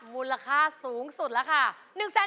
มูลค่าสูงสุดแล้วค่ะ